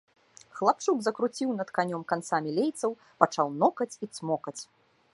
Хлапчук закруціў над канём канцамі лейцаў, пачаў нокаць і цмокаць.